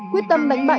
quyết tâm đánh bại